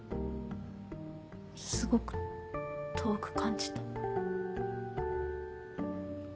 すごく遠く感じた。